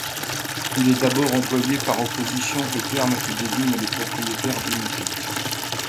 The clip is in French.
Il est d'abord employé par opposition au terme qui désigne les propriétaires d'unités.